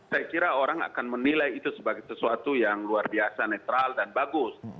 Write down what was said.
saya kira orang akan menilai itu sebagai sesuatu yang luar biasa netral dan bagus